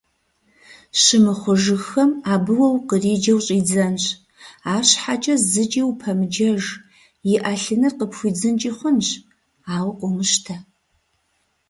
Щымыхъужыххэм абы уэ укъриджэу щӀидзэнщ, арщхьэкӀэ зыкӀи упэмыджэж, и Ӏэлъыныр къыпхуидзынкӀи хъунщ, ауэ къомыщтэ.